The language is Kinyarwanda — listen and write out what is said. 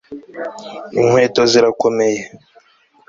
Inkweto zirakomeye